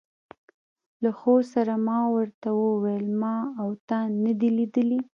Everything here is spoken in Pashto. له خو سره ما ور ته وویل: ما او تا نه دي لیدلي.